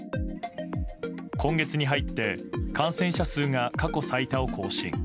今月に入って感染者数が過去最多を更新。